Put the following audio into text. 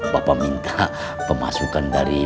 bapak minta pemasukan dari